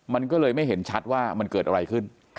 มันก็เลยไม่เห็นชัดว่ามันเกิดอะไรขึ้น